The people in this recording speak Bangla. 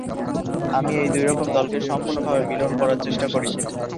আমি এই দুই রকম দলকে সম্পূর্ণভাবে মিলন করার চেষ্টা করি।